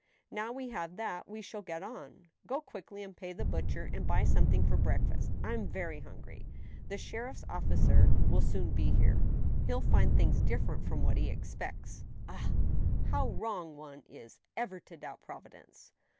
Now we have that, we shall get on. ... Go quickly and pay the butcher, and buy something for breakfast. ... I am very hungry. .. The sheriff's officer will soon be here. He'll find things different from what he expects. ... Ah ! how wrong one is ever to doubt Providence!